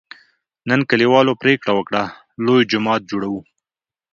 نن کلیوالو پرېکړه وکړه: لوی جومات جوړوو.